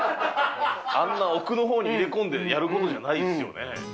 あんな奥のほうに入れ込んでやるものじゃないよね。